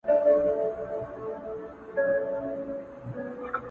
سخته اړتيا لرو